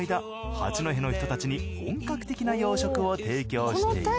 八戸の人たちに本格的な洋食を提供している。